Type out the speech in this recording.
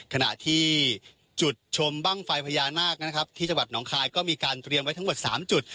ขณะที่จุดชมบ้างไฟพญานาคนะครับที่จังหวัดหนองคายก็มีการเตรียมไว้ทั้งหมด๓จุด